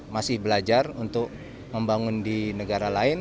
masih belajar untuk membangun di negara lain